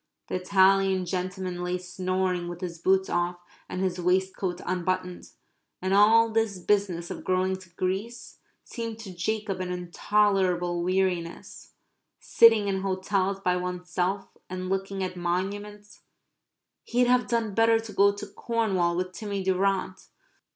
The Italian gentleman lay snoring with his boots off and his waistcoat unbuttoned.... And all this business of going to Greece seemed to Jacob an intolerable weariness sitting in hotels by oneself and looking at monuments he'd have done better to go to Cornwall with Timmy Durrant....